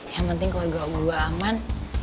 yang penting keluarga gue aman